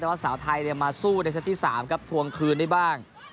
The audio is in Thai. แต่ว่าสาวไทยมาสู้ในเซตที่๓ครับทวงคืนได้บ้าง